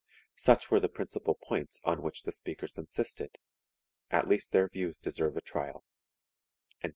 Such were the principal points on which the speakers insisted; at least their views deserve a trial."